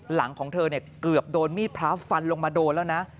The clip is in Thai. หลังของเธอเกือบโดนมีดพระฟันลงมาโดนแล้วนะ